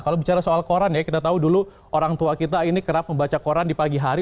kalau bicara soal koran ya kita tahu dulu orang tua kita ini kerap membaca koran di pagi hari